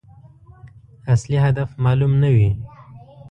اصلي هدف معلوم نه وي.